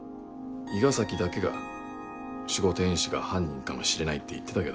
伊賀崎だけが守護天使が犯人かもしれないって言ってたけど。